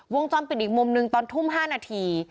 วงจรปิดอีกมุมหนึ่งตอนทุ่ม๕นาที